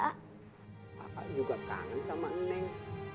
bapak juga kangen sama neng